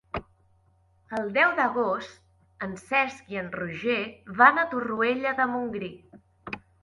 El deu d'agost en Cesc i en Roger van a Torroella de Montgrí.